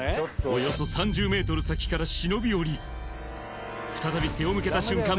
およそ３０ｍ先から忍び寄り再び背を向けた瞬間